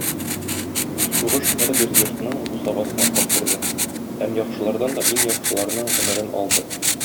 Сугыш һәрбер йортның бусагасын атлап керде һәм яхшылардан да иң яхшыларның гомерен алды.